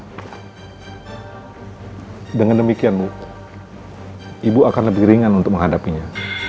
hai dengan demikianmu ibu akan lebih ringan untuk menghadapinya